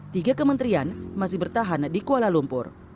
tiga kementerian masih bertahan di kuala lumpur